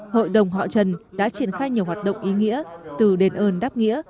hội đồng họ trần đã triển khai nhiều hoạt động ý nghĩa từ đền ơn đáp nghĩa